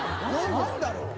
何だろう？